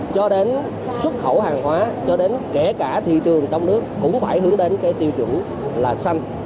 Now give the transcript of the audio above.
cho đến xuất khẩu hàng hóa cho đến kể cả thị trường trong nước cũng phải hướng đến tiêu dùng xanh